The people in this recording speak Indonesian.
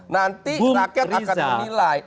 nanti rakyat akan menilai